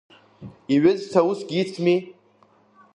Иҩызцәа усгьы ицми…